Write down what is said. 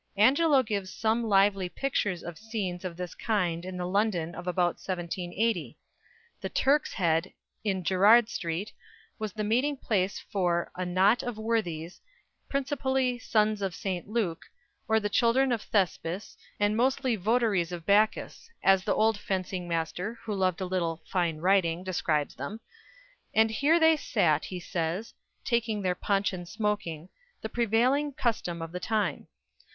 Angelo gives some lively pictures of scenes of this kind in the London of about 1780. The Turk's Head, in Gerrard Street, was the meeting place for "a knot of worthies, principally 'Sons of St. Luke,' or the children of Thespis, and mostly votaries of Bacchus," as the old fencing master, who loved a little "fine writing," describes them; and here they sat, he says, "taking their punch and smoking, the prevailing custom of the time."